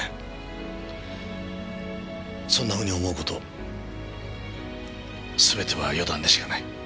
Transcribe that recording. そんなふうに思う事全ては予断でしかない。